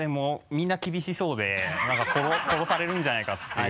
みんな厳しそうで何か殺されるんじゃないかっていう。